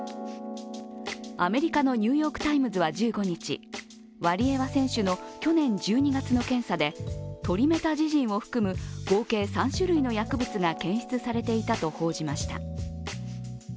アメリカの「ニューヨーク・タイムズ」は１５日、ワリエワ選手の去年１２月の検査でトリメタジジンを含む合計３種類の薬物が検出されていたと報じました。